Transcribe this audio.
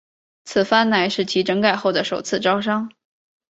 此番乃是其整改后的首次招商。